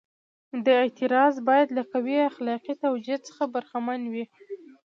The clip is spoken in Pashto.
دا اعتراض باید له قوي اخلاقي توجیه څخه برخمن وي.